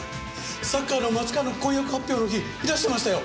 サッカーの松川の婚約発表の日いらしてましたよ